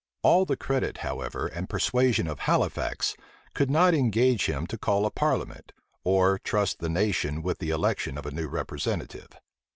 All the credit, however, and persuasion of Halifax could not engage him to call a parliament, or trust the nation with the election of a new representative.